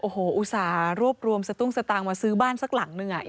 โอ้โหอุตส่าห์รวบรวมสตุ้งสตางค์มาซื้อบ้านสักหลังหนึ่ง